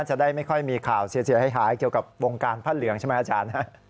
จะได้ไม่ค่อยมีข่าวเสียหายเกี่ยวกับวงการผ้าเหลืองใช่ไหมอาจารย์